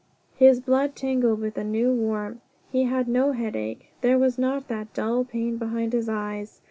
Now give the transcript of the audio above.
His blood tingled with a new warmth. He had no headache. There was not that dull pain behind his eyes.